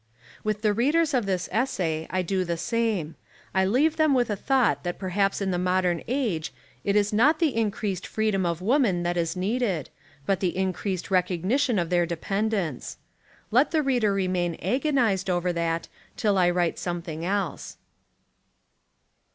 With the readers of this essay I do the same. I leave them with the thought that per haps in the modern age it is not the increased freedom of woman that is needed but the in creased recognition of their dependence. Let the reader remain agonised over that till I write something else.